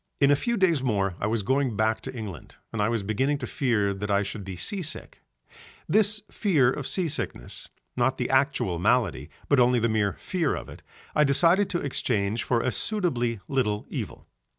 In a few days more I was going back to England and I was beginning to fear that I should be sea sick: this fear of sea sickness, not the actual malady but only the mere fear of it, I decided to exchange for a suitably little evil.